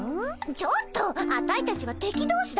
ちょっとアタイたちは敵どうしだよ。